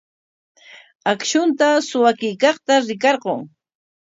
Akshunta suwakuykaqta rikarqun.